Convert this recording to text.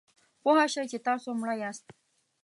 پوه شئ چې تاسو مړه یاست .